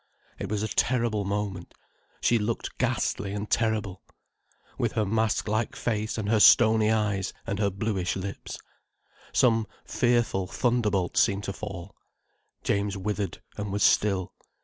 It was a terrible moment. She looked ghastly and terrible, with her mask like face and her stony eyes and her bluish lips. Some fearful thunderbolt seemed to fall. James withered, and was still.